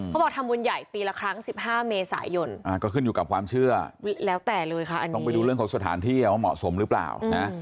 เขาบอกทำบุญใหญ่ปีละครั้ง๑๕เมษายนก็ขึ้นอยู่กับความเชื่อแล้วแต่เลยค่ะอันนี้ต้องไปดูเรื่องของสถานที่ว่าเหมาะสมหรือเปล่านะ